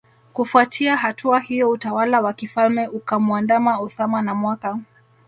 Kufuatia hatua hiyo utawala wa kifalme ukamuandama Osama na mwaka